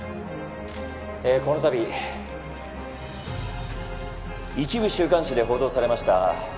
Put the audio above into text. えぇこの度一部週刊誌で報道されました